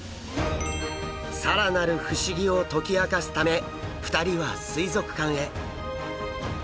更なる不思議を解き明かすため２人は水族館へ。